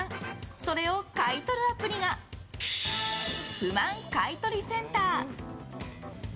それを買い取るアプリが不満買取センター。